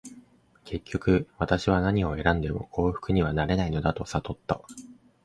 結局、私は何を選んでも幸福にはなれないのだと悟った。